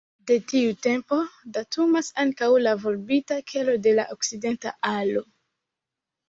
De tiu tempo datumas ankaŭ la volbita kelo de la okcidenta alo.